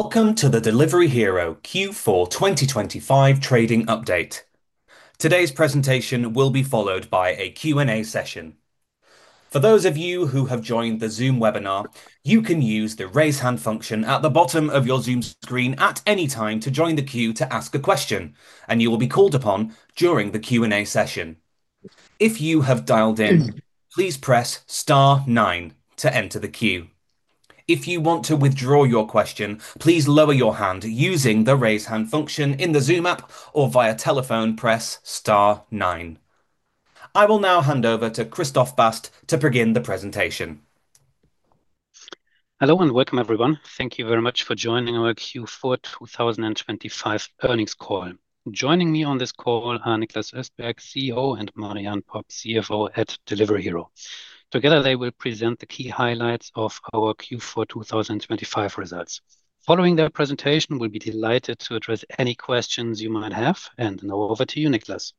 Welcome to the Delivery Hero Q4 2025 trading update. Today's presentation will be followed by a Q&A session. For those of you who have joined the Zoom webinar, you can use the Raise Hand function at the bottom of your Zoom screen at any time to join the queue to ask a question, and you will be called upon during the Q&A session. If you have dialed in, please press star nine to enter the queue. If you want to withdraw your question, please lower your hand using the Raise Hand function in the Zoom app or via telephone, press star nine. I will now hand over to Christoph Bast to begin the presentation. Hello, and welcome, everyone. Thank you very much for joining our Q4 2025 earnings call. Joining me on this call are Niklas Östberg, CEO, and Marie-Anne Popp, CFO at Delivery Hero. Together, they will present the key highlights of our Q4 2025 results. Following their presentation, we'll be delighted to address any questions you might have, and now over to you, Niklas.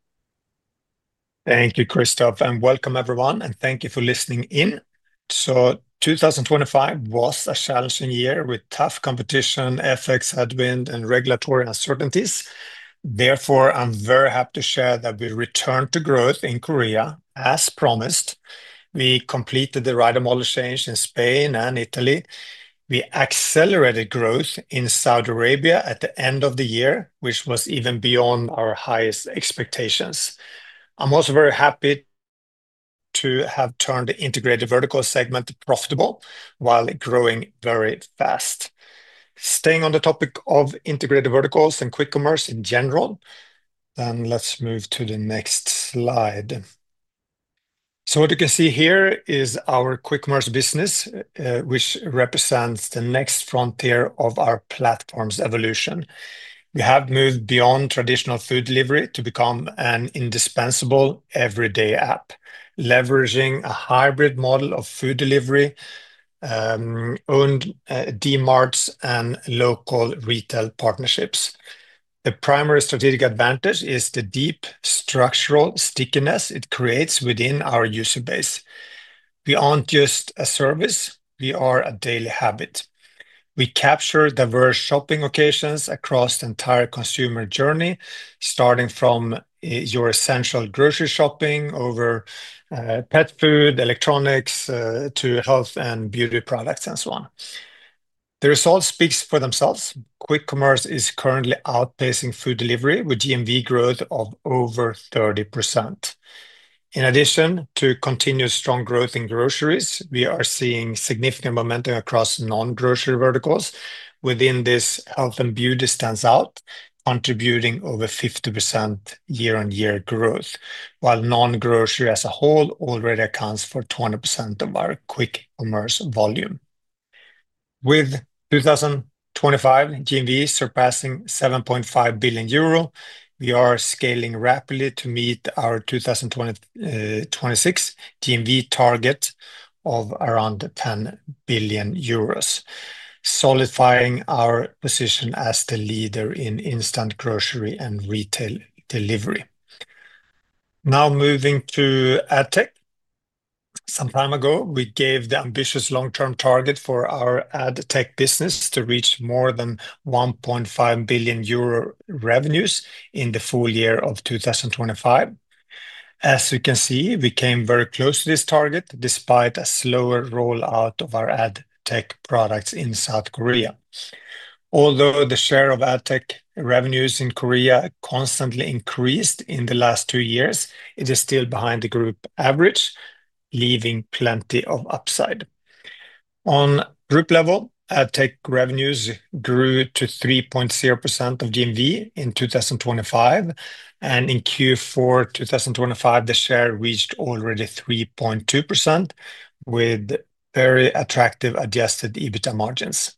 Thank you, Christoph, and welcome, everyone, and thank you for listening in. 2025 was a challenging year with tough competition, FX headwind, and regulatory uncertainties. Therefore, I'm very happy to share that we returned to growth in Korea, as promised. We completed the rider model change in Spain and Italy. We accelerated growth in Saudi Arabia at the end of the year, which was even beyond our highest expectations. I'm also very happy to have turned the integrated vertical segment profitable while growing very fast. Staying on the topic of integrated verticals and Quick Commerce in general, let's move to the next slide. What you can see here is our Quick Commerce business, which represents the next frontier of our platform's evolution. We have moved beyond traditional food delivery to become an indispensable everyday app, leveraging a hybrid model of food delivery, owned Dmarts and local retail partnerships. The primary strategic advantage is the deep structural stickiness it creates within our user base. We aren't just a service, we are a daily habit. We capture diverse shopping occasions across the entire consumer journey, starting from your essential grocery shopping over pet food, electronics, to health and beauty products, and so on. The results speak for themselves. Quick Commerce is currently outpacing food delivery, with GMV growth of over 30%. In addition to continued strong growth in groceries, we are seeing significant momentum across non-grocery verticals. Within this, health and beauty stands out, contributing over 50% year-on-year growth, while non-grocery, as a whole, already accounts for 20% of our Quick Commerce volume. With 2025 GMV surpassing 7.5 billion euro, we are scaling rapidly to meet our 2026 GMV target of around 10 billion euros, solidifying our position as the leader in instant grocery and retail delivery. Moving to AdTech. Some time ago, we gave the ambitious long-term target for our AdTech business to reach more than 1.5 billion euro revenues in the full year of 2025. As you can see, we came very close to this target, despite a slower rollout of our AdTech products in South Korea. The share of AdTech revenues in Korea constantly increased in the last two years, it is still behind the group average, leaving plenty of upside. On group level, AdTech revenues grew to 3.0% of GMV in 2025. In Q4 2025, the share reached already 3.2%, with very attractive adjusted EBITDA margins.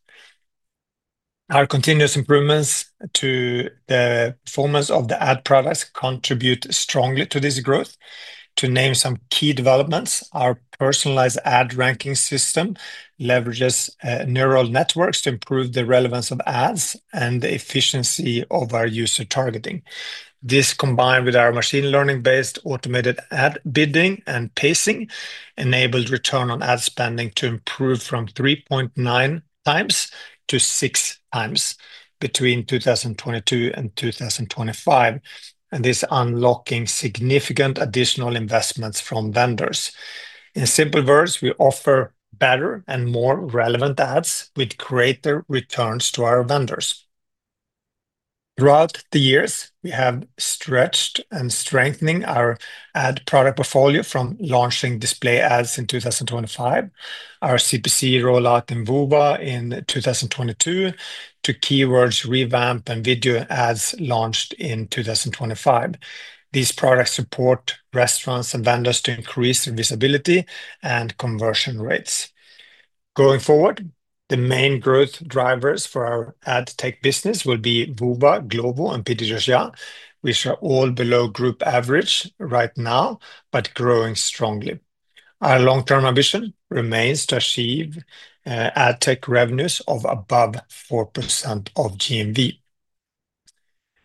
Our continuous improvements to the performance of the ad products contribute strongly to this growth. To name some key developments, our personalized ad ranking system leverages neural networks to improve the relevance of ads and the efficiency of our user targeting. This, combined with our machine learning-based automated ad bidding and pacing, enabled return on ad spending to improve from 3.9 times to 6 times between 2022 and 2025, and this unlocking significant additional investments from vendors. In simple words, we offer better and more relevant ads with greater returns to our vendors. Throughout the years, we have stretched and strengthening our AdTech product portfolio from launching display ads in 2025. Our CPC rollout in Woowa in 2022, to keywords revamp and video ads launched in 2025. These products support restaurants and vendors to increase their visibility and conversion rates. Going forward, the main growth drivers for our AdTech business will be Woowa, Global, and PedidosYa, which are all below group average right now, but growing strongly. Our long-term ambition remains to achieve AdTech revenues of above 4% of GMV.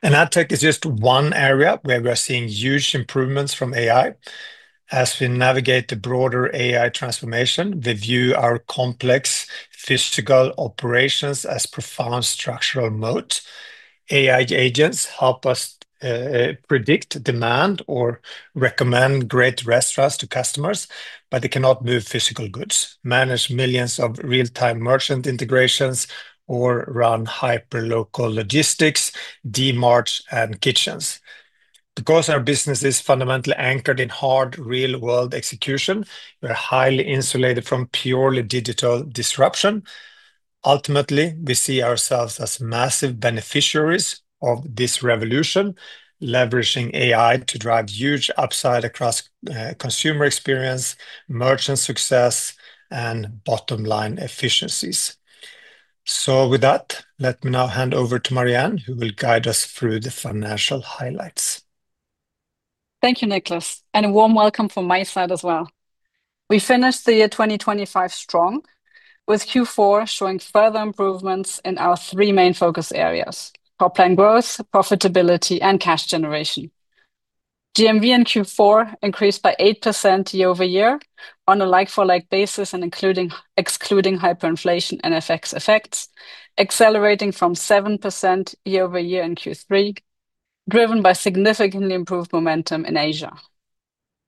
AdTech is just one area where we are seeing huge improvements from AI. As we navigate the broader AI transformation, we view our complex physical operations as profound structural moat. AI agents help us predict demand or recommend great restaurants to customers, but they cannot move physical goods, manage millions of real-time merchant integrations, or run hyper local logistics, Dmarts, and kitchens. Because our business is fundamentally anchored in hard, real-world execution, we're highly insulated from purely digital disruption. Ultimately, we see ourselves as massive beneficiaries of this revolution, leveraging AI to drive huge upside across consumer experience, merchant success, and bottom-line efficiencies. With that, let me now hand over to Marianne, who will guide us through the financial highlights. Thank you, Niklas, and a warm welcome from my side as well. We finished the year 2025 strong, with Q4 showing further improvements in our three main focus areas: top-line growth, profitability, and cash generation. GMV in Q4 increased by 8% year-over-year on a like-for-like basis, excluding hyperinflation and FX effects, accelerating from 7% year-over-year in Q3, driven by significantly improved momentum in Asia.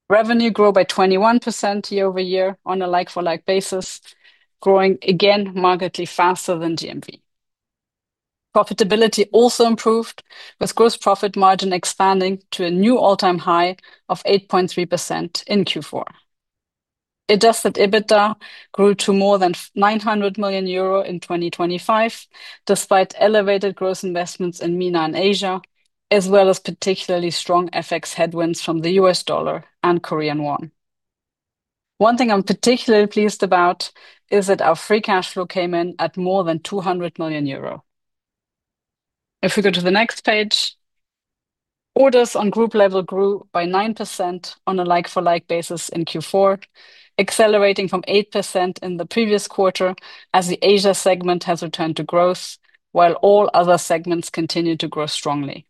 Revenue grew by 21% year-over-year on a like-for-like basis, growing again markedly faster than GMV. Profitability also improved, with Gross Profit margin expanding to a new all-time high of 8.3% in Q4. Adjusted EBITDA grew to more than 900 million euro in 2025, despite elevated gross investments in MENA and Asia, as well as particularly strong FX headwinds from the US dollar and Korean won. One thing I'm particularly pleased about is that our free cash flow came in at more than 200 million euro. If we go to the next page, orders on group level grew by 9% on a like-for-like basis in Q4, accelerating from 8% in the previous quarter, as the Asia segment has returned to growth, while all other segments continued to grow strongly.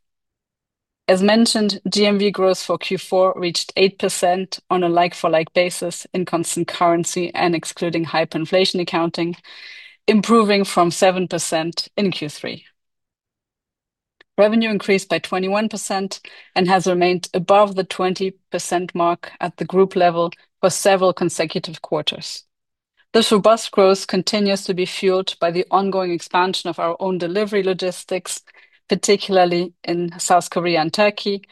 As mentioned, GMV growth for Q4 reached 8% on a like-for-like basis in constant currency and excluding hyperinflation accounting, improving from 7% in Q3. Revenue increased by 21% and has remained above the 20% mark at the group level for several consecutive quarters. This robust growth continues to be fueled by the ongoing expansion of our own delivery logistics, particularly in South Korea and Turkey,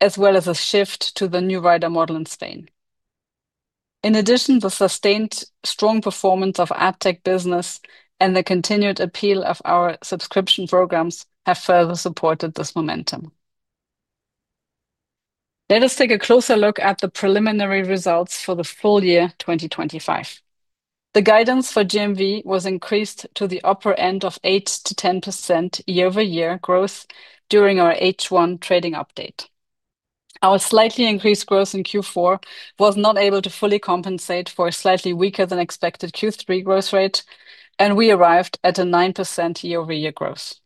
as well as a shift to the new rider model in Spain. The sustained strong performance of AdTech business and the continued appeal of our subscription programs have further supported this momentum. Let us take a closer look at the preliminary results for the full year 2025. The guidance for GMV was increased to the upper end of 8%-10% year-over-year growth during our H1 trading update. Our slightly increased growth in Q4 was not able to fully compensate for a slightly weaker than expected Q3 growth rate, and we arrived at a 9% year-over-year growth.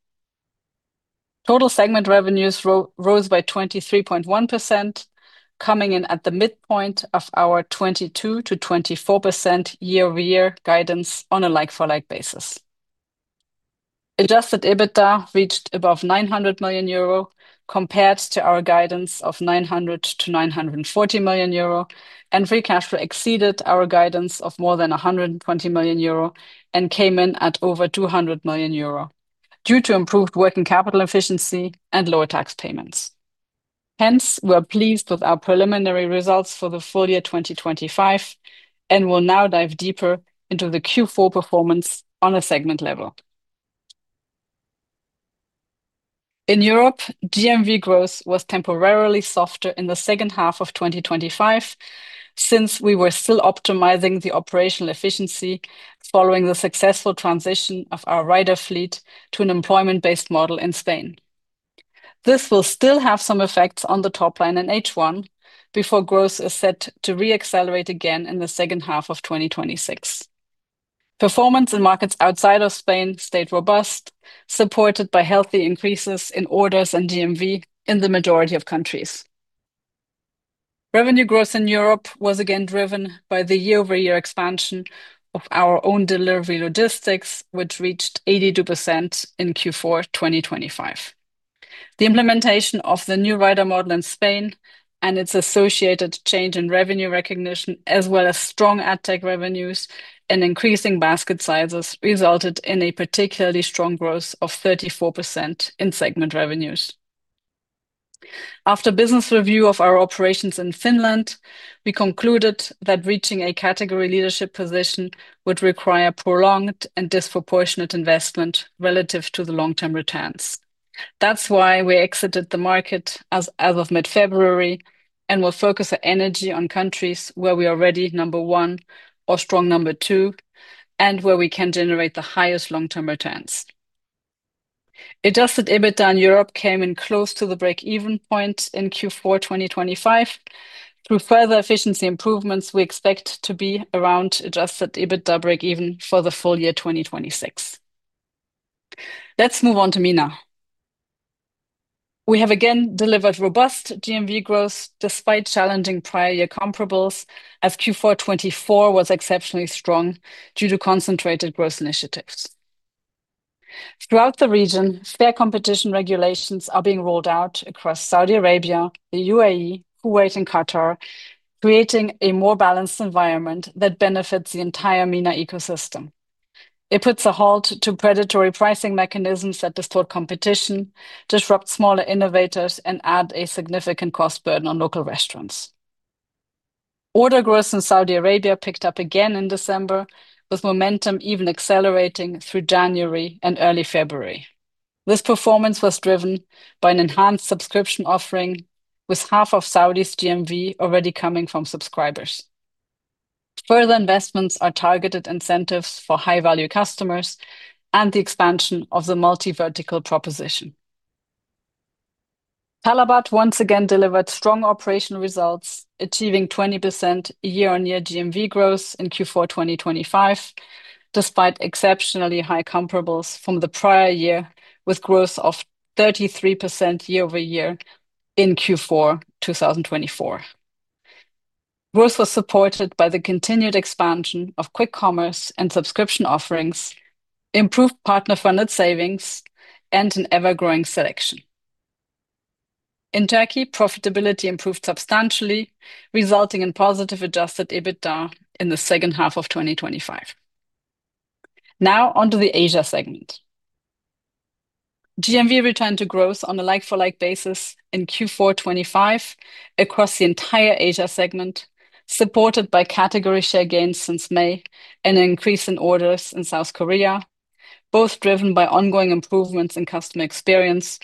Total segment revenues rose by 23.1%, coming in at the midpoint of our 22%-24% year-over-year guidance on a like-for-like basis. Adjusted EBITDA reached above 900 million euro, compared to our guidance of 900 million-940 million euro, and free cash flow exceeded our guidance of more than 120 million euro and came in at over 200 million euro, due to improved working capital efficiency and lower tax payments. We're pleased with our preliminary results for the full year 2025, and will now dive deeper into the Q4 performance on a segment level. In Europe, GMV growth was temporarily softer in the second half of 2025 since we were still optimizing the operational efficiency following the successful transition of our rider fleet to an employment-based model in Spain. This will still have some effects on the top line in H1, before growth is set to re-accelerate again in the second half of 2026. Performance in markets outside of Spain stayed robust, supported by healthy increases in orders and GMV in the majority of countries. Revenue growth in Europe was again driven by the year-over-year expansion of our own delivery logistics, which reached 82% in Q4 2025. The implementation of the new rider model in Spain and its associated change in revenue recognition, as well as strong AdTech revenues and increasing basket sizes, resulted in a particularly strong growth of 34% in segment revenues. After business review of our operations in Finland, we concluded that reaching a category leadership position would require prolonged and disproportionate investment relative to the long-term returns. That's why we exited the market as of mid-February, and will focus our energy on countries where we are already number one or strong number two, and where we can generate the highest long-term returns. adjusted EBITDA in Europe came in close to the break-even point in Q4 2025. Through further efficiency improvements, we expect to be around adjusted EBITDA break-even for the full year 2026. Let's move on to MENA.... We have again delivered robust GMV growth despite challenging prior year comparables, as Q4 2024 was exceptionally strong due to concentrated growth initiatives. Throughout the region, fair competition regulations are being rolled out across Saudi Arabia, the UAE, Kuwait, and Qatar, creating a more balanced environment that benefits the entire MENA ecosystem. It puts a halt to predatory pricing mechanisms that distort competition, disrupt smaller innovators, and add a significant cost burden on local restaurants. Order growth in Saudi Arabia picked up again in December, with momentum even accelerating through January and early February. This performance was driven by an enhanced subscription offering, with half of Saudi's GMV already coming from subscribers. Further investments are targeted incentives for high-value customers and the expansion of the multi-vertical proposition. Talabat once again delivered strong operational results, achieving 20% year-on-year GMV growth in Q4 2025, despite exceptionally high comparables from the prior year, with growth of 33% year-over-year in Q4 2024. Growth was supported by the continued expansion of Quick Commerce and subscription offerings, improved partner-funded savings, and an ever-growing selection. In Turkey, profitability improved substantially, resulting in positive adjusted EBITDA in the second half of 2025. Onto the Asia segment. GMV returned to growth on a like-for-like basis in Q4 2025 across the entire Asia segment, supported by category share gains since May and an increase in orders in South Korea, both driven by ongoing improvements in customer experience,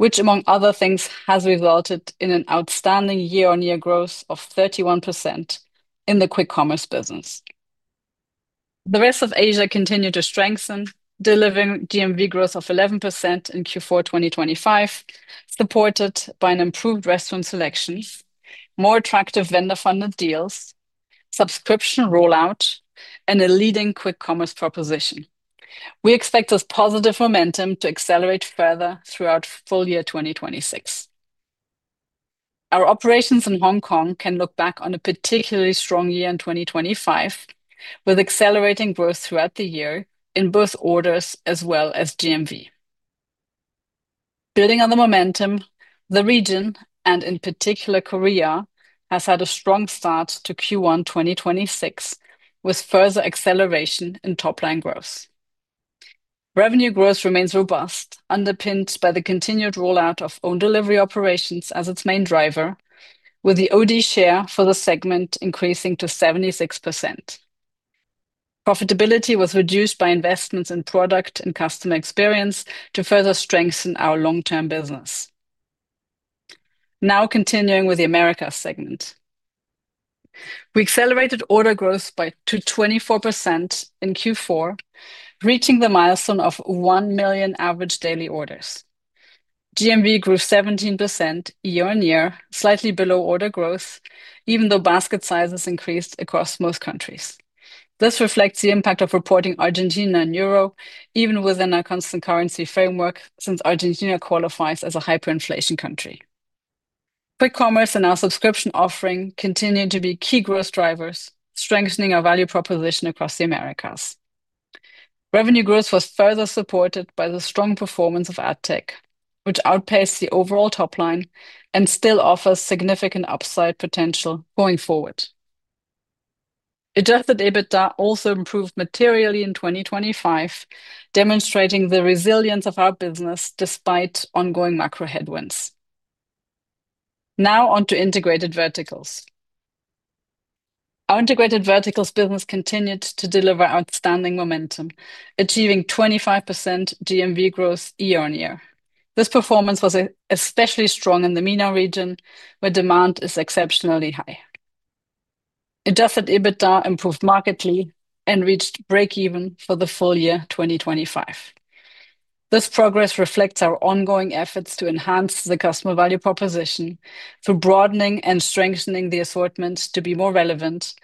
which, among other things, has resulted in an outstanding year-on-year growth of 31% in the Quick Commerce business. The rest of Asia continued to strengthen, delivering GMV growth of 11% in Q4 2025, supported by an improved restaurant selections, more attractive vendor-funded deals, subscription rollout, and a leading Quick Commerce proposition. We expect this positive momentum to accelerate further throughout full year 2026. Our operations in Hong Kong can look back on a particularly strong year in 2025, with accelerating growth throughout the year in both orders as well as GMV. Building on the momentum, the region, and in particular Korea, has had a strong start to Q1 2026, with further acceleration in top-line growth. Revenue growth remains robust, underpinned by the continued rollout of own delivery operations as its main driver, with the OD share for the segment increasing to 76%. Profitability was reduced by investments in product and customer experience to further strengthen our long-term business. Continuing with the Americas segment. We accelerated order growth to 24% in Q4, reaching the milestone of 1 million average daily orders. GMV grew 17% year-on-year, slightly below order growth, even though basket sizes increased across most countries. This reflects the impact of reporting Argentina in EUR, even within our constant currency framework, since Argentina qualifies as a hyperinflation country. Quick commerce and our subscription offering continue to be key growth drivers, strengthening our value proposition across the Americas. Revenue growth was further supported by the strong performance of AdTech, which outpaced the overall top line and still offers significant upside potential going forward. Adjusted EBITDA also improved materially in 2025, demonstrating the resilience of our business despite ongoing macro headwinds. Onto integrated verticals. Our integrated verticals business continued to deliver outstanding momentum, achieving 25% GMV growth year-on-year. This performance was especially strong in the MENA region, where demand is exceptionally high. Adjusted EBITDA improved markedly and reached break even for the full year 2025. This progress reflects our ongoing efforts to enhance the customer value proposition through broadening and strengthening the assortments to be more relevant,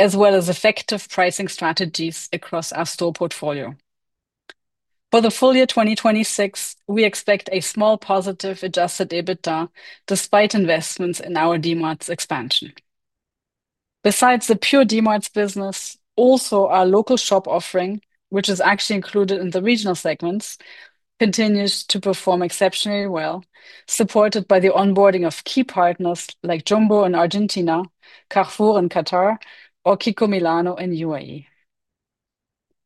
as well as effective pricing strategies across our store portfolio. For the full year 2026, we expect a small positive adjusted EBITDA, despite investments in our Dmarts expansion. Besides the pure Dmarts business, also our local shop offering, which is actually included in the regional segments, continues to perform exceptionally well, supported by the onboarding of key partners like Jumbo in Argentina, Carrefour in Qatar, or KIKO Milano in UAE.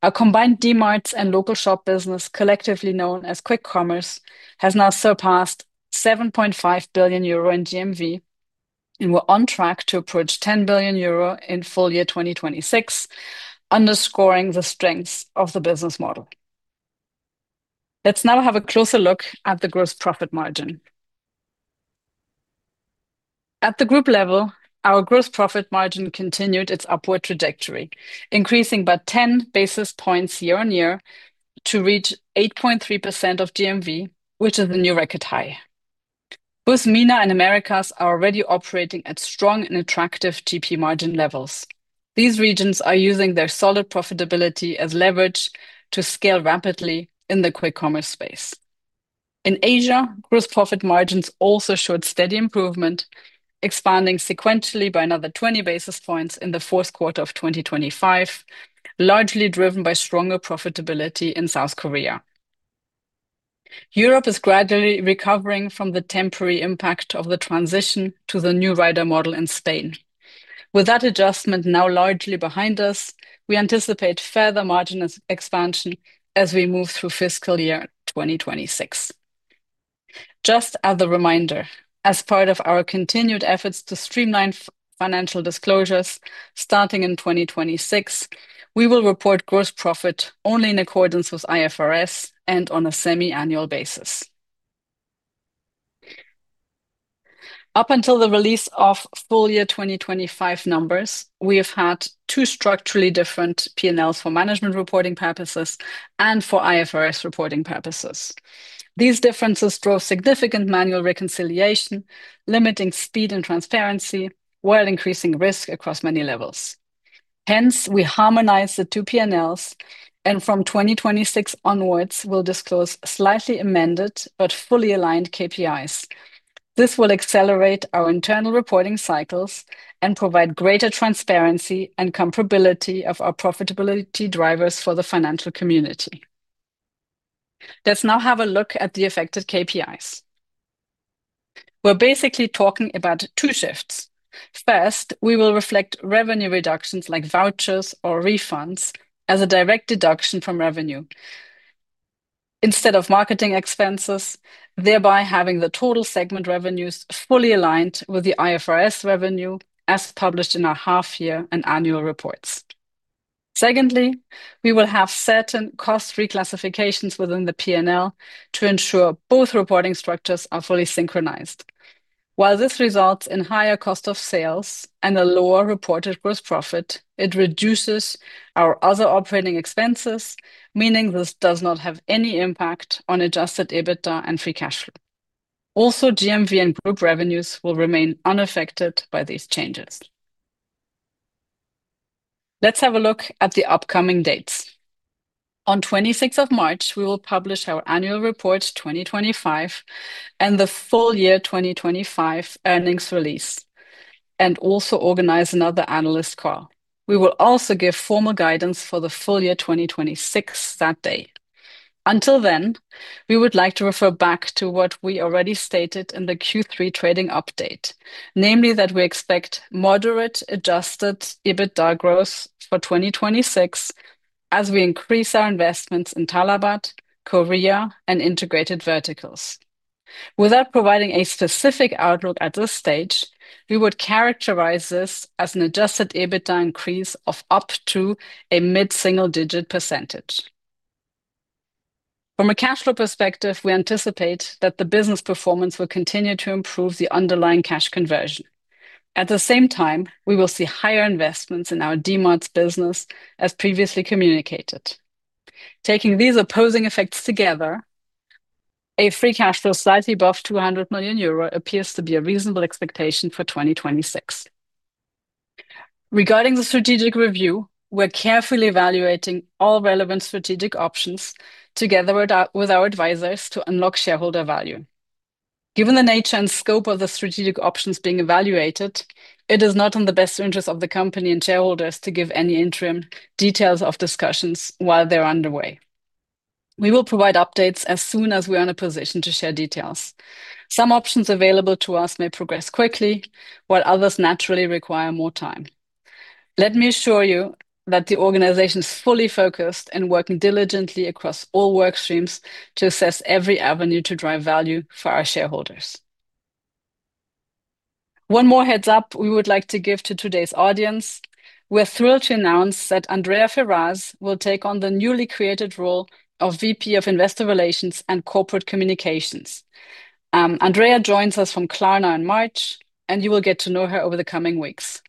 Our combined Dmarts and local shop business, collectively known as Quick Commerce, has now surpassed 7.5 billion euro in GMV, and we're on track to approach 10 billion euro in full year 2026, underscoring the strengths of the business model. Let's now have a closer look at the Gross Profit margin. At the group level, our Gross Profit margin continued its upward trajectory, increasing by 10 basis points year-on-year to reach 8.3% of GMV, which is a new record high. Both MENA and Americas are already operating at strong and attractive GP margin levels. These regions are using their solid profitability as leverage to scale rapidly in the Quick Commerce space. In Asia, gross profit margins also showed steady improvement, expanding sequentially by another 20 basis points in the fourth quarter of 2025, largely driven by stronger profitability in South Korea. Europe is gradually recovering from the temporary impact of the transition to the new rider model in Spain. With that adjustment now largely behind us, we anticipate further margin expansion as we move through fiscal year 2026. Just as a reminder, as part of our continued efforts to streamline financial disclosures, starting in 2026, we will report gross profit only in accordance with IFRS and on a semi-annual basis. Up until the release of full year 2025 numbers, we have had two structurally different P&Ls for management reporting purposes and for IFRS reporting purposes. These differences draw significant manual reconciliation, limiting speed and transparency, while increasing risk across many levels. We harmonize the two P&Ls, and from 2026 onwards, we'll disclose slightly amended but fully aligned KPIs. This will accelerate our internal reporting cycles and provide greater transparency and comparability of our profitability drivers for the financial community. Let's now have a look at the affected KPIs. We're basically talking about two shifts. First, we will reflect revenue reductions, like vouchers or refunds, as a direct deduction from revenue instead of marketing expenses, thereby having the total segment revenues fully aligned with the IFRS revenue as published in our half year and annual reports. Secondly, we will have certain cost reclassifications within the P&L to ensure both reporting structures are fully synchronized. While this results in higher cost of sales and a lower reported Gross Profit, it reduces our other operating expenses, meaning this does not have any impact on adjusted EBITDA and free cash flow. GMV and group revenues will remain unaffected by these changes. Let's have a look at the upcoming dates. On 26th of March, we will publish our annual report 2025 and the full year 2025 earnings release, and also organize another analyst call. We will also give formal guidance for the full year 2026 that day. Until then, we would like to refer back to what we already stated in the Q3 trading update, namely, that we expect moderate adjusted EBITDA growth for 2026 as we increase our investments in Talabat, Korea, and integrated verticals. Without providing a specific outlook at this stage, we would characterize this as an adjusted EBITDA increase of up to a mid-single-digit %. From a cash flow perspective, we anticipate that the business performance will continue to improve the underlying cash conversion. At the same time, we will see higher investments in our Dmarts business, as previously communicated. Taking these opposing effects together, a free cash flow slightly above 200 million euro appears to be a reasonable expectation for 2026. Regarding the strategic review, we're carefully evaluating all relevant strategic options together with our advisors to unlock shareholder value. Given the nature and scope of the strategic options being evaluated, it is not in the best interest of the company and shareholders to give any interim details of discussions while they're underway. We will provide updates as soon as we are in a position to share details. Some options available to us may progress quickly, while others naturally require more time. Let me assure you that the organization is fully focused and working diligently across all work streams to assess every avenue to drive value for our shareholders. One more heads up we would like to give to today's audience: we're thrilled to announce that Andrea Ferraz will take on the newly created role of VP of Investor Relations and Corporate Communications. Andrea joins us from Klarna in March, and you will get to know her over the coming weeks.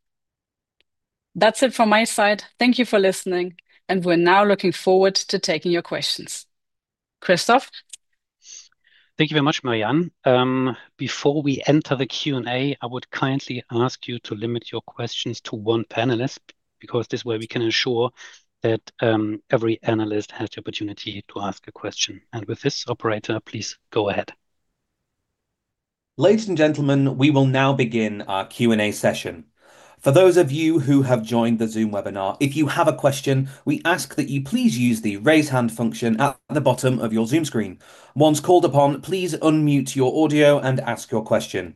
That's it from my side. Thank you for listening, and we're now looking forward to taking your questions. Christoph? Thank you very much, Marie-Anne. Before we enter the Q&A, I would kindly ask you to limit your questions to one panelist, because this way we can ensure that every analyst has the opportunity to ask a question. With this, operator, please go ahead. Ladies and gentlemen, we will now begin our Q&A session. For those of you who have joined the Zoom webinar, if you have a question, we ask that you please use the Raise Hand function at the bottom of your Zoom screen. Once called upon, please unmute your audio and ask your question.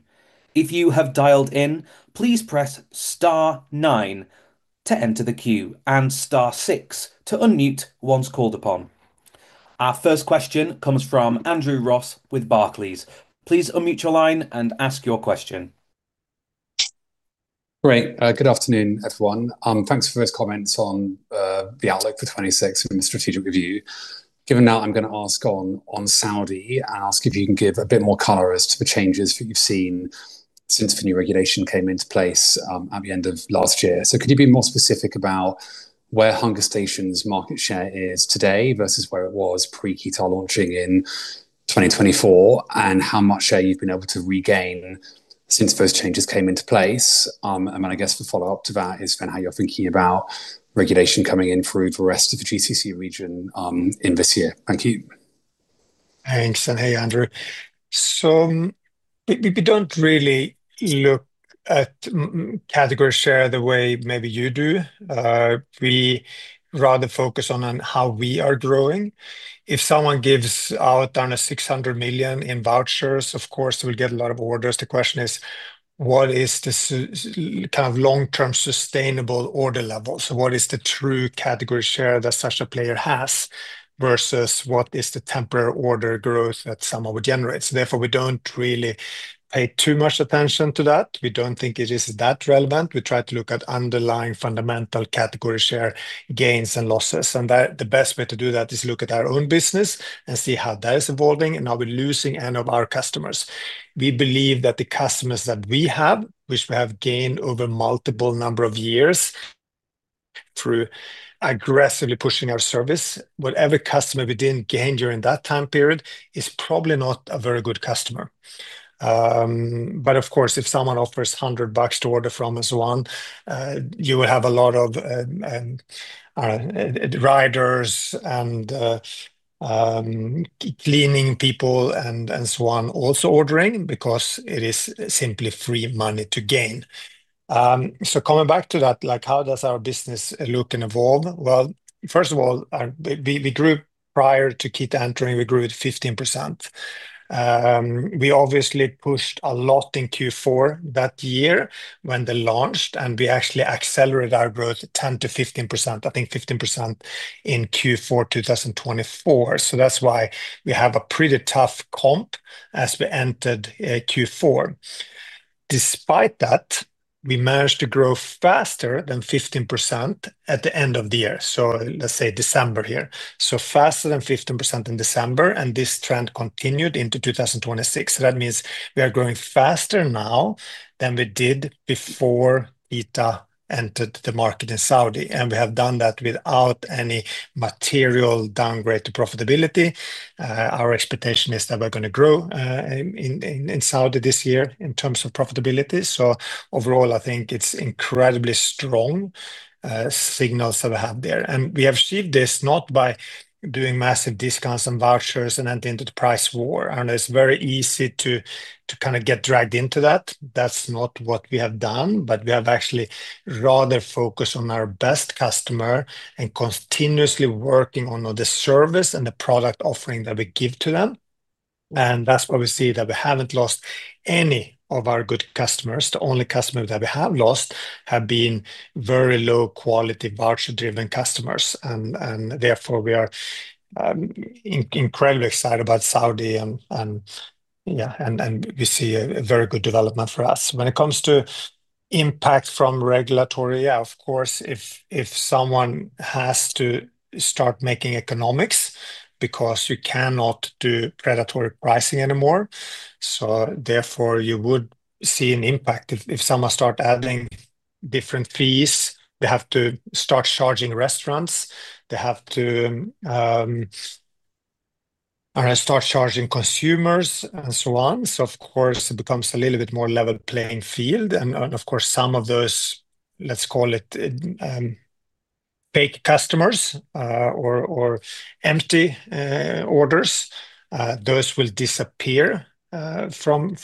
If you have dialed in, please press star nine to enter the queue and star six to unmute once called upon. Our first question comes from Andrew Ross with Barclays. Please unmute your line and ask your question. Great. Good afternoon, everyone. Thanks for those comments on the outlook for 2026 and the strategic review. Given that, I'm going to ask on Saudi and ask if you can give a bit more color as to the changes that you've seen since the new regulation came into place at the end of last year. Could you be more specific about where Hungerstation's market share is today versus where it was pre-Kita 2024, and how much share you've been able to regain since those changes came into place? I guess the follow-up to that is kind of how you're thinking about regulation coming in through the rest of the GCC region in this year. Thank you. Thanks, hey, Andrew. We don't really look at category share the way maybe you do. We rather focus on how we are growing. If someone gives out on a 600 million in vouchers, of course, we'll get a lot of orders. The question is, what is the kind of long-term sustainable order level? What is the true category share that such a player has, versus what is the temporary order growth that someone would generate? Therefore, we don't really pay too much attention to that. We don't think it is that relevant. We try to look at underlying fundamental category share gains and losses, and the best way to do that is look at our own business and see how that is evolving and are we losing any of our customers. We believe that the customers that we have, which we have gained over multiple number of years through aggressively pushing our service, whatever customer we didn't gain during that time period is probably not a very good customer. Of course, if someone offers 100 bucks to order from us on, you will have a lot of riders and cleaning people and so on, also ordering because it is simply free money to gain. Coming back to that, like, how does our business look and evolve? Well, first of all, we grew prior to Kita entering, we grew at 15%. We obviously pushed a lot in Q4 that year when they launched, and we actually accelerated our growth 10%-15%, I think 15% in Q4 2024. That's why we have a pretty tough comp as we entered, Q4. Despite that, we managed to grow faster than 15% at the end of the year, let's say December here. Faster than 15% in December, and this trend continued into 2026. That means we are growing faster now than we did before Kita entered the market in Saudi, and we have done that without any material downgrade to profitability. Our expectation is that we're gonna grow, in Saudi this year in terms of profitability. Overall, I think it's incredibly strong, signals that we have there. We have achieved this not by doing massive discounts and vouchers and entering into the price war, and it's very easy to kind of get dragged into that. That's not what we have done, but we have actually rather focused on our best customer and continuously working on the service and the product offering that we give to them, and that's why we see that we haven't lost any of our good customers. The only customer that we have lost have been very low quality, voucher-driven customers, and therefore, we are incredibly excited about Saudi and yeah, and we see a very good development for us. When it comes to impact from regulatory, of course, if someone has to start making economics because you cannot do predatory pricing anymore, so therefore, you would see an impact. If someone start adding different fees, they have to start charging restaurants, they have to start charging consumers, and so on. Of course, it becomes a little bit more level playing field, and of course, some of those, let's call it, fake customers, or empty, orders, those will disappear, from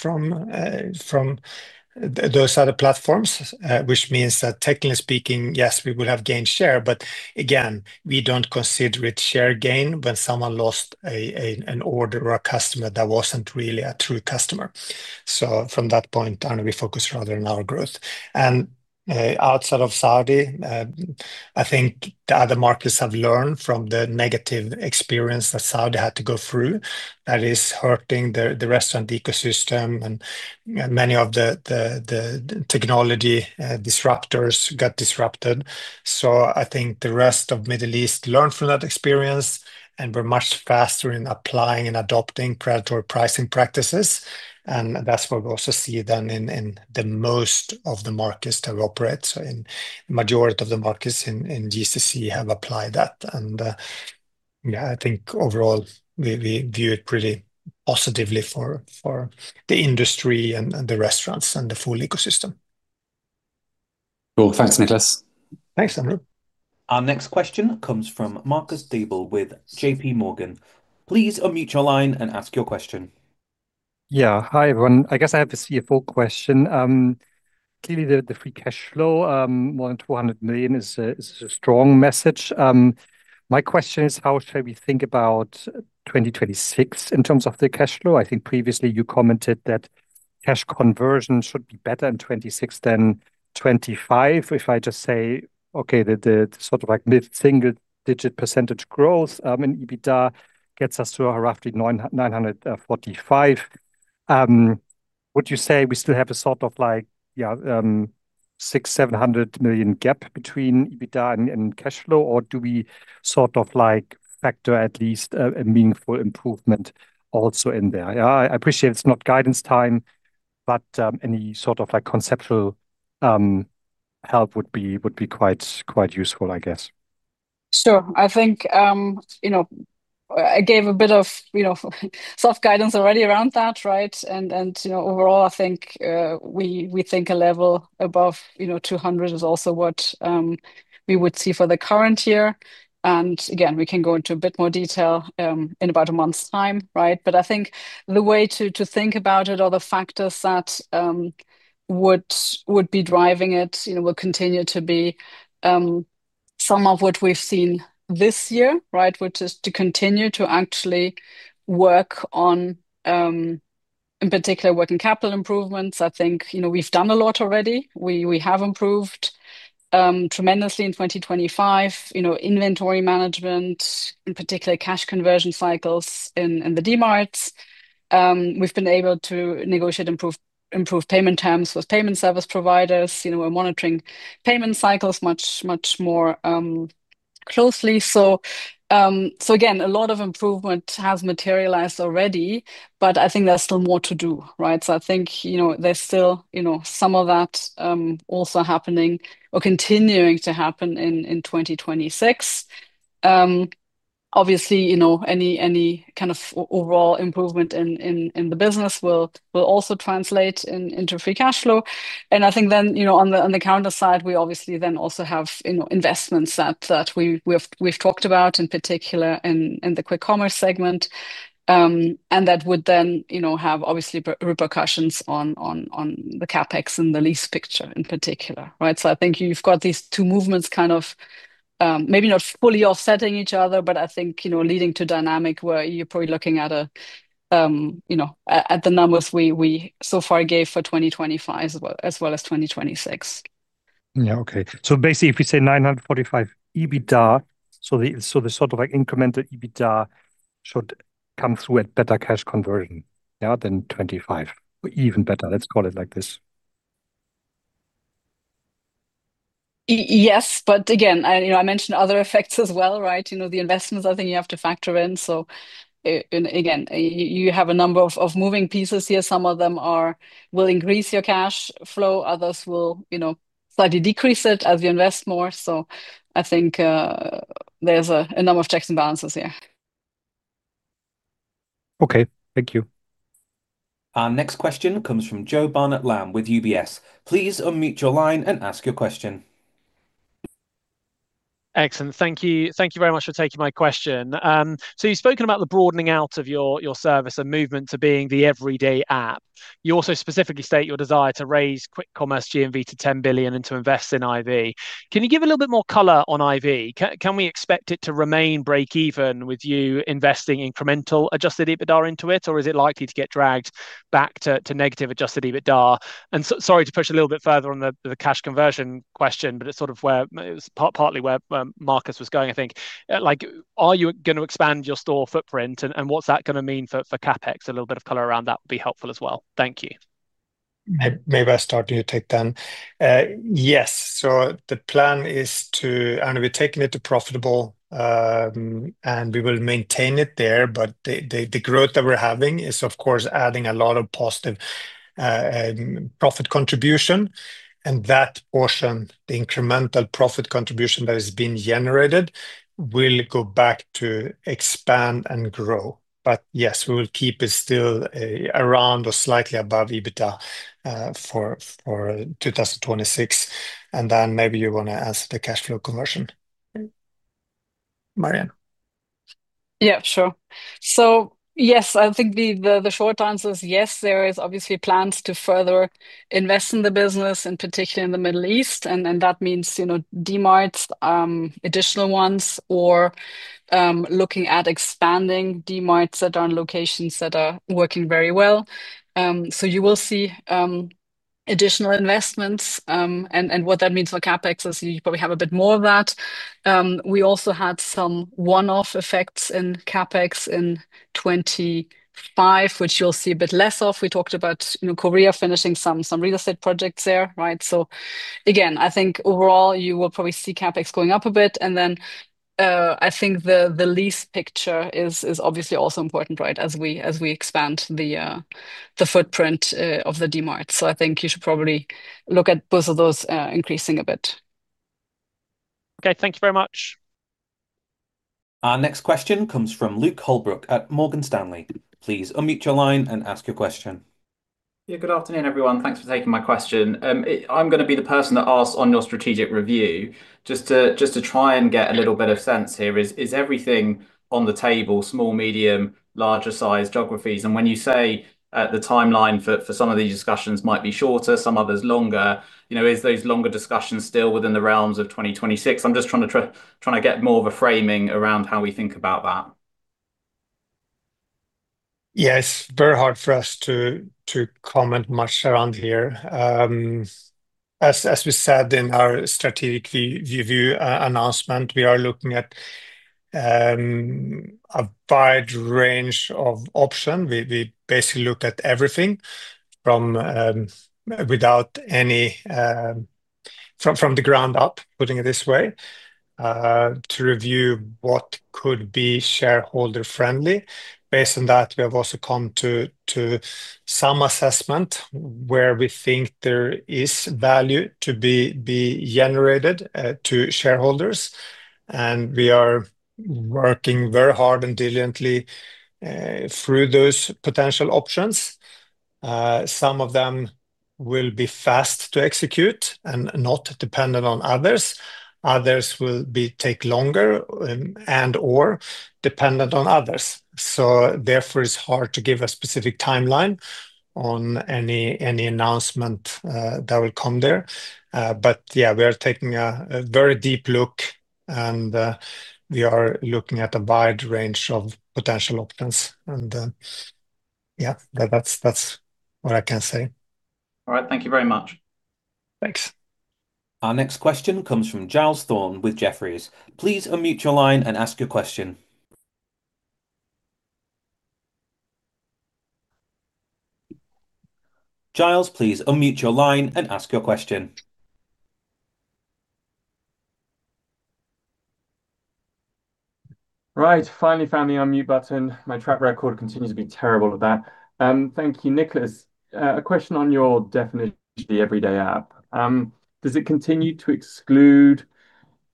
those other platforms. Which means that technically speaking, yes, we will have gained share, but again, we don't consider it share gain when someone lost an order or a customer that wasn't really a true customer. From that point on, we focus rather on our growth. Outside of Saudi, I think the other markets have learned from the negative experience that Saudi had to go through that is hurting the restaurant ecosystem and many of the technology disruptors got disrupted. I think the rest of Middle East learned from that experience, and we're much faster in applying and adopting predatory pricing practices, and that's what we also see then in the most of the markets that operate. In majority of the markets in GCC have applied that, and, yeah, I think overall, we view it pretty positively for the industry and the restaurants and the full ecosystem. Cool. Thanks, Niklas. Thanks, Andrew. Our next question comes from Marcus Diebel with J.P. Morgan. Please unmute your line and ask your question. Hi, everyone. I guess I have a CFO question. Clearly, the free cash flow, more than 200 million is a, is a strong message. My question is: how should we think about 2026 in terms of the cash flow? I think previously you commented that cash conversion should be better in 26 than 25. If I just say, okay, the sort of like mid-single-digit % growth in EBITDA gets us to roughly 945 million. Would you say we still have a sort of like, yeah, 600-700 million gap between EBITDA and cash flow, or do we sort of like factor at least a meaningful improvement also in there? I appreciate it's not guidance time, but any sort of like conceptual help would be quite useful, I guess. Sure. I think, you know, I gave a bit of, you know, soft guidance already around that, right? Overall, you know, I think, we think a level above, you know, 200 is also what, we would see for the current year. Again, we can go into a bit more detail, in about a month's time, right? I think the way to think about it or the factors that, would be driving it, you know, will continue to be, some of what we've seen this year, right? Which is to continue to actually work on, in particular, working capital improvements. I think, you know, we've done a lot already. We have improved, tremendously in 2025. You know, inventory management, in particular, cash conversion cycles in the Dmarts. We've been able to negotiate improved payment terms with payment service providers. You know, we're monitoring payment cycles much, much more closely. Again, a lot of improvement has materialized already, but I think there's still more to do, right? I think, you know, there's still, you know, some of that also happening or continuing to happen in 2026. Obviously, you know, any kind of overall improvement in, in the business will also translate into free cash flow. I think then, you know, on the, on the counter side, we obviously then also have investments that we've talked about, in particular, in the Quick Commerce segment. That would then, you know, have obviously repercussions on, on the CapEx and the lease picture in particular, right? I think you've got these two movements kind of, maybe not fully offsetting each other, but I think, you know, leading to dynamic, where you're probably looking at a, you know, at the numbers we so far gave for 2025, as well, as well as 2026. Yeah, okay. Basically, if you say 945 EBITDA, the sort of like incremental EBITDA should come through at better cash conversion now than 25%? Even better, let's call it like this. yes. Again, I, you know, I mentioned other effects as well, right? You know, the investments, I think you have to factor in. And again, you have a number of moving pieces here. Some of them are will increase your cash flow, others will, you know, slightly decrease it as you invest more. I think, there's a number of checks and balances, yeah. Okay, thank you. Our next question comes from Jo Barnet-Lamb with UBS. Please unmute your line and ask your question. Excellent. Thank you. Thank you very much for taking my question. You've spoken about the broadening out of your service and movement to being the everyday app. You also specifically state your desire to raise Quick Commerce GMV to 10 billion and to invest in IV. Can you give a little bit more color on IV? Can we expect it to remain break even with you investing incremental adjusted EBITDA into it, or is it likely to get dragged back to negative adjusted EBITDA? Sorry to push a little bit further on the cash conversion question, but it's sort of where it was partly where Marcus Diebel was going, I think. Like, are you gonna expand your store footprint, and what's that gonna mean for CapEx? A little bit of color around that would be helpful as well. Thank you. May I start, you take then? Yes. The plan is to... We're taking it to profitable, and we will maintain it there, but the growth that we're having is, of course, adding a lot of positive profit contribution. That portion, the incremental profit contribution that is being generated, will go back to expand and grow. Yes, we will keep it still a around or slightly above EBITDA for 2026. Maybe you want to ask the cash flow conversion, Marianne. Yeah, sure. Yes, I think the short answer is yes, there is obviously plans to further invest in the business, and particularly in the Middle East. That means, you know, D-marts, additional ones, or looking at expanding D-marts that are in locations that are working very well. You will see additional investments, and what that means for CapEx is you probably have a bit more of that. We also had some one-off effects in CapEx in 25, which you'll see a bit less of. We talked about, you know, Korea finishing some real estate projects there, right? Again, I think overall, you will probably see CapEx going up a bit. I think the lease picture is obviously also important, right? As we expand the footprint of the D-marts. I think you should probably look at both of those increasing a bit. Okay, thank you very much. Our next question comes from Luke Holbrook at Morgan Stanley. Please unmute your line and ask your question. Yeah, good afternoon, everyone. Thanks for taking my question. I'm gonna be the person that asks on your strategic review, just to try and get a little bit of sense here. Is everything on the table small, medium, larger-sized geographies? When you say the timeline for some of these discussions might be shorter, some others longer, you know, is those longer discussions still within the realms of 2026? I'm just trying to get more of a framing around how we think about that. Yes, very hard for us to comment much around here. As we said in our strategic review announcement, we are looking at a wide range of option. We basically looked at everything from the ground up, putting it this way, to review what could be shareholder-friendly. Based on that, we have also come to some assessment where we think there is value to be generated to shareholders. We are working very hard and diligently through those potential options. Some of them will be fast to execute and not dependent on others. Others will take longer and/or dependent on others. Therefore, it's hard to give a specific timeline on any announcement that will come there. Yeah, we are taking a very deep look, and we are looking at a wide range of potential options. Yeah, that's what I can say. All right. Thank you very much. Thanks. Our next question comes from Giles Thorne with Jefferies. Please unmute your line and ask your question. Giles, please unmute your line and ask your question. Right, finally found the unmute button. My track record continues to be terrible at that. Thank you, Niklas. A question on your Definitely Everyday app. Does it continue to exclude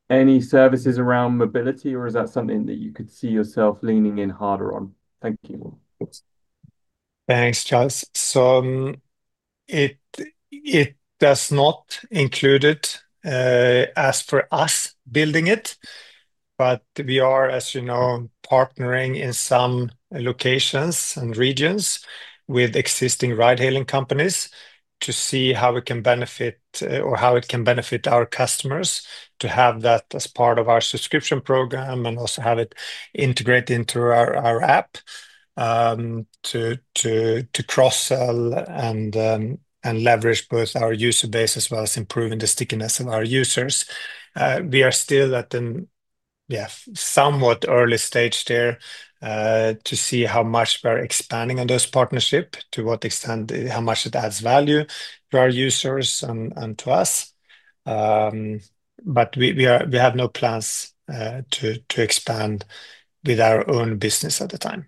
any services around mobility, or is that something that you could see yourself leaning in harder on? Thank you. Thanks, Giles. It does not include it as for us building it, but we are, as you know, partnering in some locations and regions with existing ride-hailing companies to see how we can benefit, or how it can benefit our customers to have that as part of our subscription program and also have it integrated into our app. To cross-sell and leverage both our user base, as well as improving the stickiness of our users. We are still at a somewhat early stage there to see how much we're expanding on those partnership, to what extent, how much it adds value to our users and to us. We have no plans to expand with our own business at the time.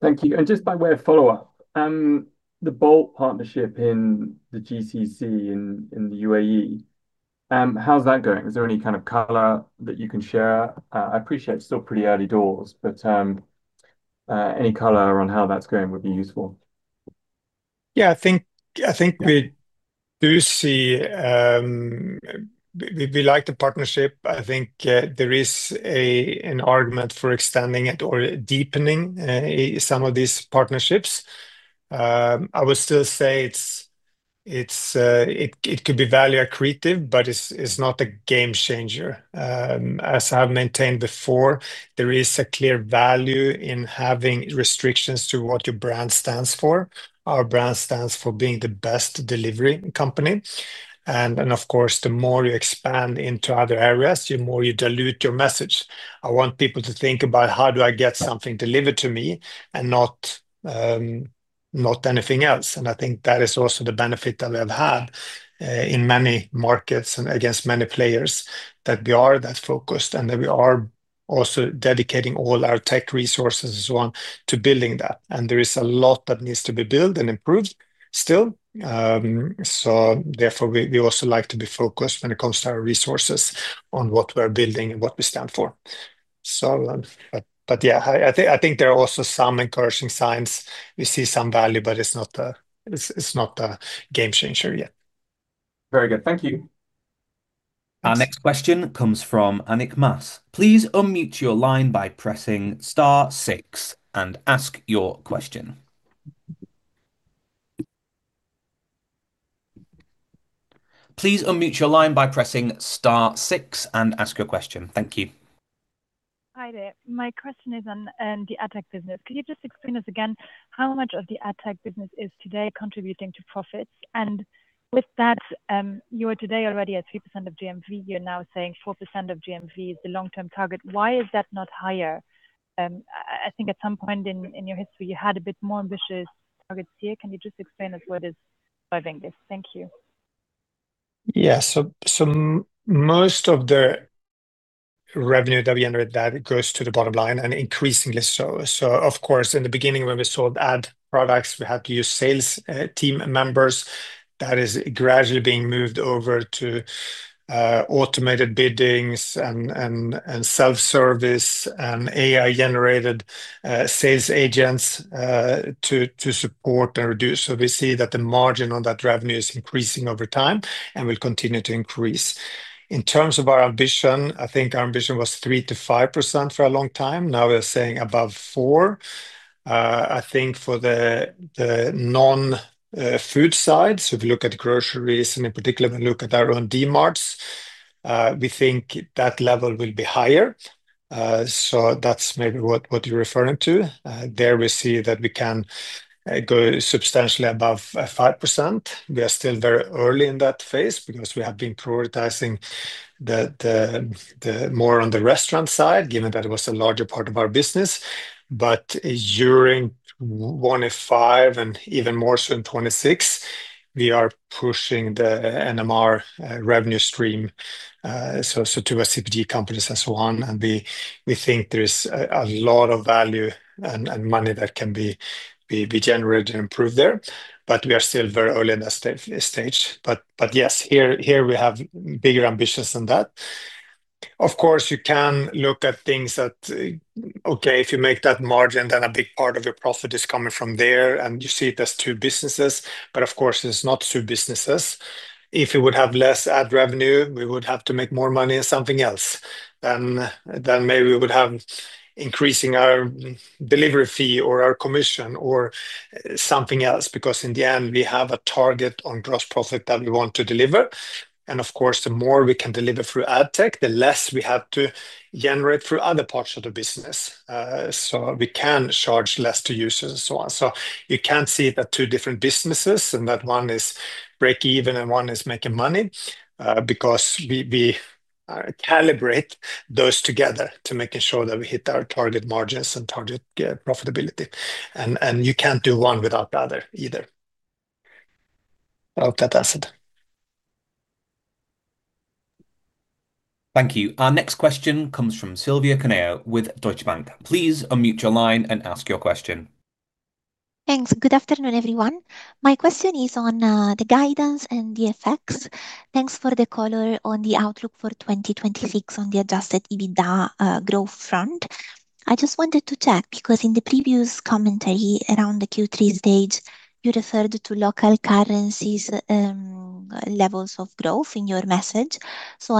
Thank you. Just by way of follow-up, the Bolt partnership in the GCC, in the UAE, how's that going? Is there any kind of color that you can share? I appreciate it's still pretty early doors, but any color on how that's going would be useful. Yeah, I think we do see. We like the partnership. I think, there is an argument for extending it or deepening some of these partnerships. I would still say it's, it could be value accretive, but it's not a game changer. As I've maintained before, there is a clear value in having restrictions to what your brand stands for. Our brand stands for being the best delivery company, and of course, the more you expand into other areas, the more you dilute your message. I want people to think about: How do I get something delivered to me? Not anything else. I think that is also the benefit that we have had in many markets and against many players, that we are that focused and that we are also dedicating all our tech resources and so on to building that. There is a lot that needs to be built and improved still. Therefore, we also like to be focused when it comes to our resources on what we're building and what we stand for. Yeah, I think there are also some encouraging signs. We see some value, but it's not a game changer yet. Very good. Thank you. Our next question comes from Annick Maas. Please unmute your line by pressing star 6 and ask your question. Thank you. Hi there. My question is on the AdTech business. Could you just explain us again how much of the AdTech business is today contributing to profits? With that, you are today already at 3% of GMV. You're now saying 4% of GMV is the long-term target. Why is that not higher? I think at some point in your history, you had a bit more ambitious targets here. Can you just explain to us what is driving this? Thank you. Yeah, most of the revenue that we generate that goes to the bottom line, and increasingly so. Of course, in the beginning, when we sold ad products, we had to use sales team members. That is gradually being moved over to automated biddings and self-service and AI-generated sales agents, to support and reduce. We see that the margin on that revenue is increasing over time and will continue to increase. In terms of our ambition, I think our ambition was 3%-5% for a long time. Now we're saying above 4%. I think for the non-food side, so if you look at groceries and in particular, we look at our own Dmarts, we think that level will be higher. That's maybe what you're referring to. There, we see that we can go substantially above 5%. We are still very early in that phase because we have been prioritizing the, the more on the restaurant side, given that it was a larger part of our business. During 2025 and even more so in 2026, we are pushing the NMR revenue stream, so to our CPG companies and so on, and we think there is a lot of value and money that can be generated and improved there. We are still very early in that stage. Yes, here, we have bigger ambitions than that. Of course, you can look at things that, okay, if you make that margin, then a big part of your profit is coming from there, and you see it as two businesses. Of course, it's not two businesses. If you would have less AdTech revenue, we would have to make more money in something else, then maybe we would have increasing our delivery fee or our commission or something else, because in the end, we have a target on Gross Profit that we want to deliver. Of course, the more we can deliver through AdTech, the less we have to generate through other parts of the business. We can charge less to users and so on. You can't see the two different businesses, and that one is break even and one is making money, because we calibrate those together to making sure that we hit our target margins and target profitability. You can't do one without the other either. Well, that does it. Thank you. Our next question comes from Silvia Caneo with Deutsche Bank. Please unmute your line and ask your question. Thanks. Good afternoon, everyone. My question is on the guidance and the effects. Thanks for the color on the outlook for 2026 on the adjusted EBITDA growth front. I just wanted to check, because in the previous commentary around the Q3 stage, you referred to local currencies, levels of growth in your message.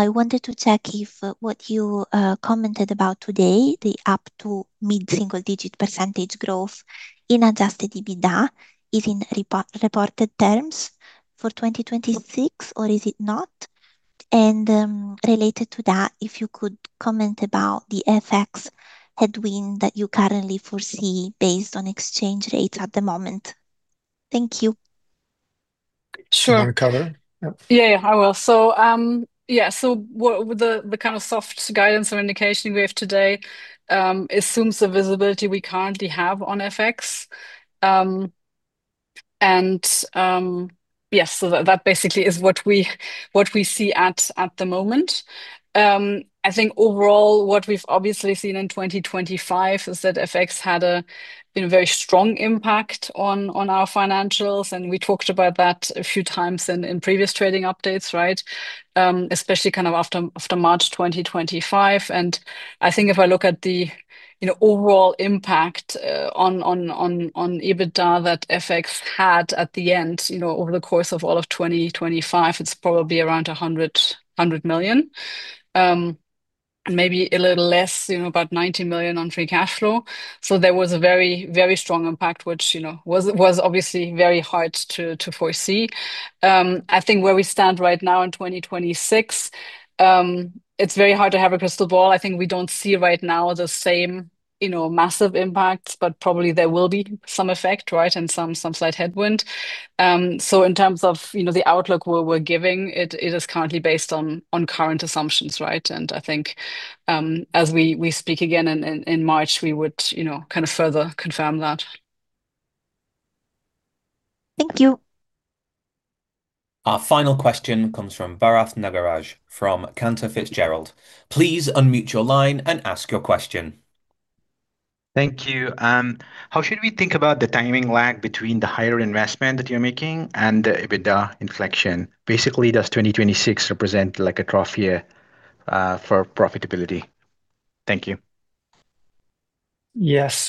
I wanted to check if what you commented about today, the up to mid-single-digit % growth in adjusted EBITDA, is in reported terms for 2026, or is it not? Related to that, if you could comment about the FX headwind that you currently foresee based on exchange rates at the moment. Thank you. Sure. Do you want to cover? Yeah, yeah, I will. What the kind of soft guidance or indication we have today assumes the visibility we currently have on FX. That basically is what we see at the moment. I think overall, what we've obviously seen in 2025 is that FX had a, you know, very strong impact on our financials, and we talked about that a few times in previous trading updates, right? Especially kind of after March 2025. I think if I look at the, you know, overall impact on EBITDA that FX had at the end, you know, over the course of all of 2025, it's probably around 100 million. Maybe a little less, you know, about 90 million on free cash flow. There was a very, very strong impact, which, you know, was obviously very hard to foresee. I think where we stand right now in 2026, it's very hard to have a crystal ball. I think we don't see right now the same, you know, massive impacts, but probably there will be some effect, right, and some slight headwind. In terms of, you know, the outlook we're giving, it is currently based on current assumptions, right? I think, as we speak again in March, we would, you know, kind of further confirm that. Thank you. Our final question comes from Bharath Nagaraj from Cantor Fitzgerald. Please unmute your line and ask your question. Thank you. How should we think about the timing lag between the higher investment that you're making and the EBITDA inflection? Basically, does 2026 represent like a trough year for profitability? Thank you. Yes.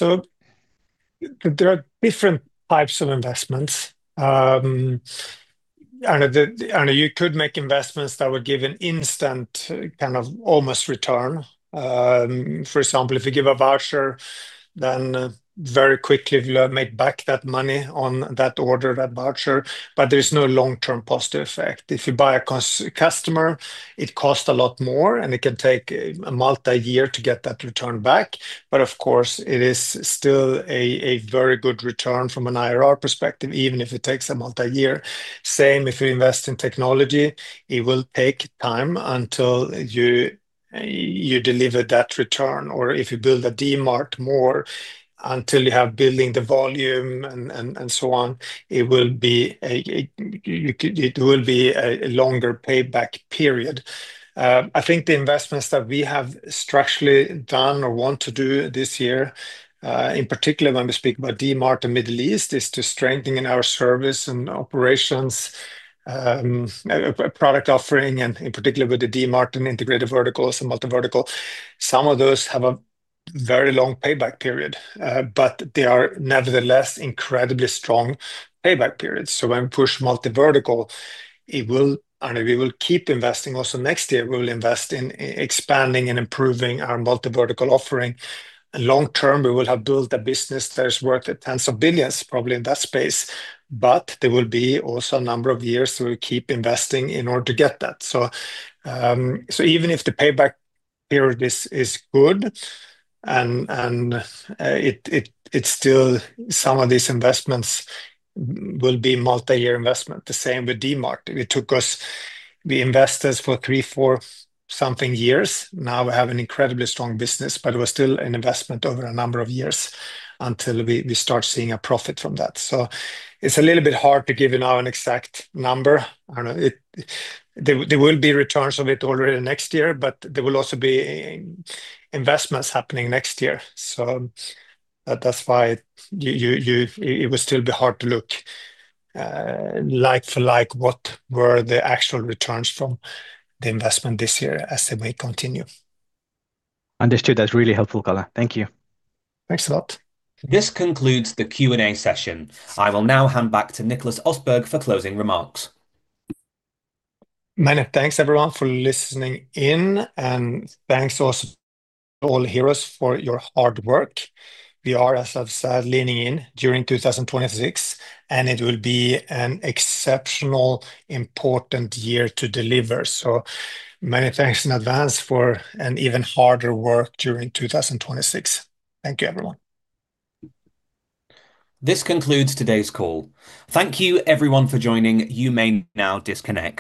There are different types of investments. You could make investments that would give an instant, kind of, almost return. For example, if you give a voucher, then very quickly you'll make back that money on that order, that voucher, but there is no long-term positive effect. If you buy a customer, it costs a lot more, and it can take a multi-year to get that return back. Of course, it is still a very good return from an IRR perspective, even if it takes a multi-year. Same if you invest in technology, it will take time until you deliver that return, or if you build a Dmart more, until you have building the volume and so on, it will be a longer payback period. I think the investments that we have structurally done or want to do this year, in particular, when we speak about DMart and Middle East, is to strengthen our service and operations, product offering, and in particular, with the DMart and integrated verticals and multi-vertical. Some of those have a very long payback period, but they are nevertheless incredibly strong payback periods. When we push multi-vertical. We will keep investing also next year. We will invest in e-expanding and improving our multi-vertical offering. Long term, we will have built a business that is worth tens of billions, probably in that space, but there will be also a number of years we'll keep investing in order to get that. Even if the payback period is good, and it's still some of these investments will be multi-year investment. The same with Dmarts. It took us, we invested for 3, 4 something years. Now, we have an incredibly strong business, but it was still an investment over a number of years until we start seeing a profit from that. It's a little bit hard to give you now an exact number. I don't know, there will be returns of it already next year, but there will also be investments happening next year. That's why it would still be hard to look like for like, what were the actual returns from the investment this year as they may continue. Understood. That's really helpful, Carla. Thank you. Thanks a lot. This concludes the Q&A session. I will now hand back to Niklas Östberg for closing remarks. Many thanks, everyone, for listening in, and thanks also all heroes for your hard work. We are, as I've said, leaning in during 2026, and it will be an exceptional, important year to deliver. Many thanks in advance for an even harder work during 2026. Thank you, everyone. This concludes today's call. Thank you, everyone, for joining. You may now disconnect.